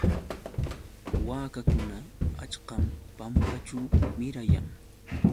Waakuna achkam pampaćhu mirayan.